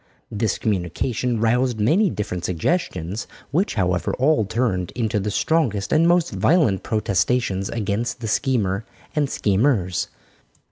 This communication roused many different suggestions, which, however, all turned into the strongest and most violent protestations against the schemer and schemers.